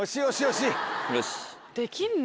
できんの？